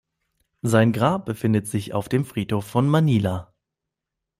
Sein Grab befindet sich auf dem Friedhof von Manila.